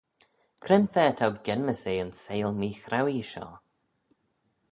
Cre'n fa t'ou genmys eh yn seihll meechrauee shoh?